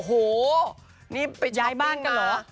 โอ้โฮนี่ไปช้อปปิ้งมา